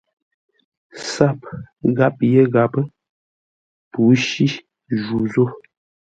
SAP ghap yé ghapə́; pǔshí ju zô.